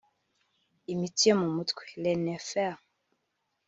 iminsi yo mu mutwe (les nerfs )